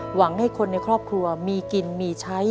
หวังให้คนในครอบครัวมีกินมีใช้